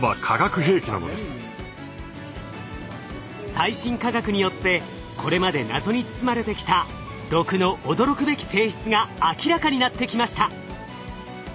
最新科学によってこれまで謎に包まれてきた毒の驚くべき性質が明らかになってきました。